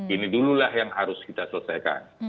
ini dululah yang harus kita selesaikan